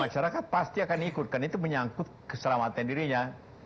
masyarakat pasti akan ikutkan itu menyangkut keselamatan dirinya